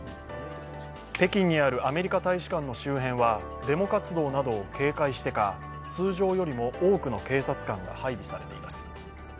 北京にあるアメリカ大使館の周辺はデモ活動などを警戒してか通常よりも多くの警察官が配備されています。